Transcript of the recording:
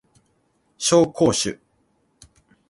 紹興酒